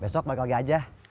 besok balik lagi aja